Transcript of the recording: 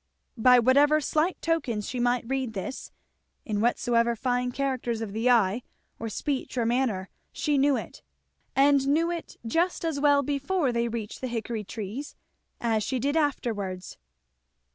By whatever slight tokens she might read this, in whatsoever fine characters of the eye, or speech, or manner, she knew it; and knew it just as well before they reached the hickory trees as she did afterwards.